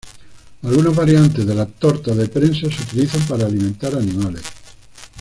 Algunas variantes de la torta de prensa se utilizan para alimentar animales.